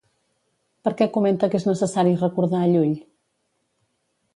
Per què comenta que és necessari recordar a Llull?